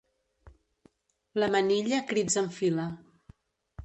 La manilla crits enfila.